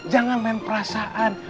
jangan main perasaan